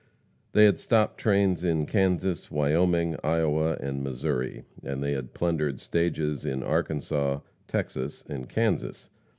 They had stopped trains in Kansas, Wyoming, Iowa and Missouri, and they had plundered stages in Arkansas, Texas and Kansas.